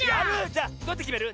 じゃあどうやってきめる？